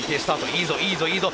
いいぞいいぞいいぞ。